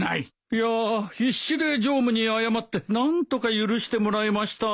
いや必死で常務に謝って何とか許してもらえました。